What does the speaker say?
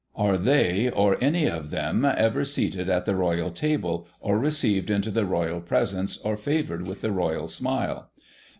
Are they, or any of them, ever seated at the Royal table, or received into the Royal presence, or favoured with the Royal smile?